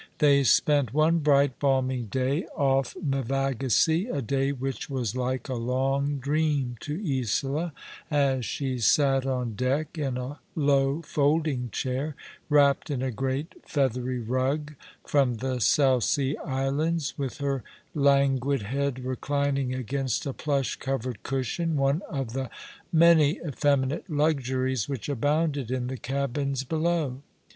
They spent one bright, balmy day off Mevagissey, a day which was like a long dream to Isola, as she sat on deck in a low folding chair, wrapped in a great feathery rug from the South Sea Islands, with her languid head reclining against a plush covered cushion, one of the many effeminate luxuries which abounded in the cabins below.